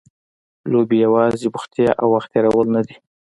لوبې یوازې بوختیا او وخت تېرول نه دي.